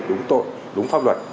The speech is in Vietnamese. đúng tội đúng pháp luật